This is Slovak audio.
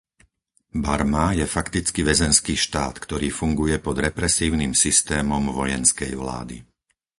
Barma je fakticky väzenský štát, ktorý funguje pod represívnym systémom vojenskej vlády.